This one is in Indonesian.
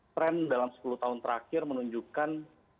tren dalam sepuluh tahun terakhir menunjukkan